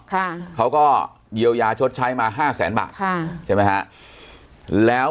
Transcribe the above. ค่ะเขาก็เยียวยาชดใช้มาห้าแสนบาทค่ะใช่ไหมฮะแล้ว